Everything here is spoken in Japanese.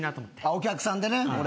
お客さんでね俺が。